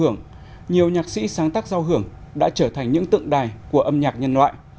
nhiều nhạc sĩ sáng tác giao hưởng đã trở thành những tượng đài của âm nhạc nhân loại